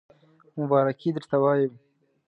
مبارکی درته وایم